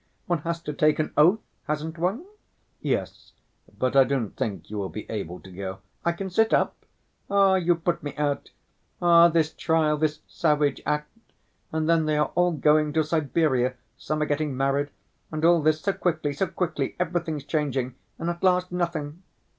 One has to take an oath, hasn't one?" "Yes; but I don't think you will be able to go." "I can sit up. Ah, you put me out! Ah! this trial, this savage act, and then they are all going to Siberia, some are getting married, and all this so quickly, so quickly, everything's changing, and at last—nothing.